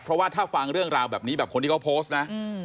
เพราะว่าถ้าฟังเรื่องราวแบบนี้แบบคนที่เขาโพสต์นะ